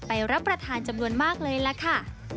รับประทานจำนวนมากเลยล่ะค่ะ